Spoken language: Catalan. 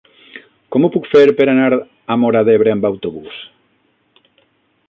Com ho puc fer per anar a Móra d'Ebre amb autobús?